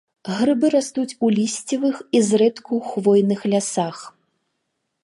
Грыбы растуць у лісцевых і зрэдку ў хвойных лясах.